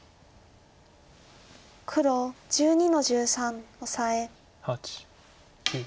黒１２の十三オサエ。